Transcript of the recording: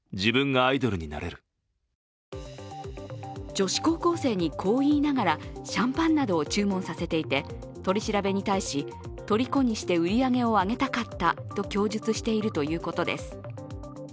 女子高校生にこう言いながらシャンパンなどを注文させていて取り調べに対し、とりこにして売り上げを上げたかったと供述しているということです。